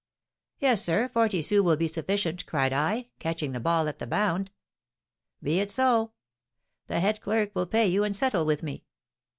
"Yes, sir, forty sous will be sufficient," cried I, catching the ball at the bound. "Be it so; the head clerk will pay you and settle with me."